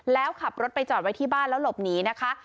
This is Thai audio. แล้วขับรถไปจอดไว้ที่บ้านแล้วหลบหนีนะคะ